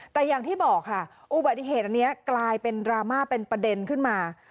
แต่อย่างที่บอกค่ะอุบัติเหตุอันนี้กลายเป็นดราม่าเป็นประเด็นขึ้นมา